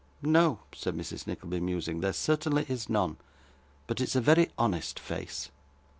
'No,' said Mrs. Nickleby, musing. 'There certainly is none. But it's a very honest face.